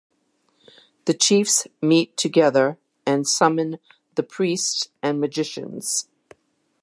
The chiefs meet together and summon the priests and magicians.